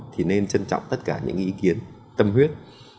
thì nên trân trọng tất cả những ý kiến tâm huyết